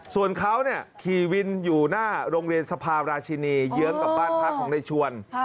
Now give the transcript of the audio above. ส่วนเขาขี่วินอยู่หน้าโรงเรียนสภาราชินีเยื้องกับบ้านพักของในชวน